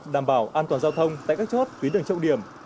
đảm bảo an toàn giao thông tại các chốt tuyến đường trọng điểm